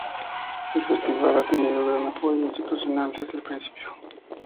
El festival ha tenido gran apoyo institucional desde el principio.